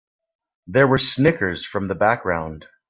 There were snickers from the background.